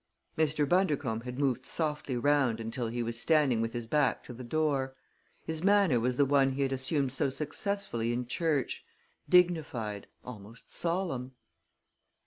Mr. Bundercombe had moved softly round until he was standing with his back to the door. His manner was the one he had assumed so successfully in church dignified, almost solemn.